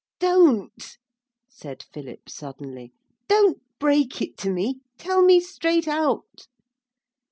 'Don't,' said Philip suddenly, 'don't break it to me; tell me straight out.'